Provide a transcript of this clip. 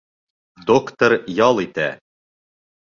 Доктор ял итә!